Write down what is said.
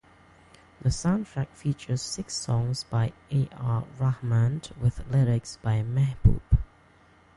The soundtrack features six songs by A. R. Rahman, with lyrics by Mehboob.